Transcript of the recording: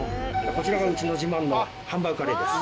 こちらがうちの自慢のハンバーグカレーです。